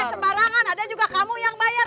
ada perangan ada juga kamu yang bayar